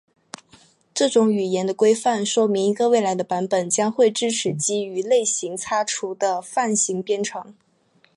这种语言的规范说明一个未来的版本将会支持基于类型擦除的泛型编程。